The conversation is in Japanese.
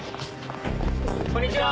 こんにちは。